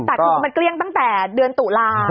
แต่คือมันเกลี้ยงตั้งแต่เดือนตุลา